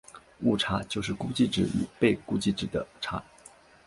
误差就是估计值与被估计量的差。